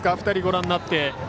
２人、ご覧になって。